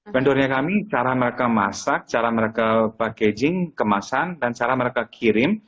bendornya kami cara mereka masak cara mereka packaging kemasan dan cara mereka kirim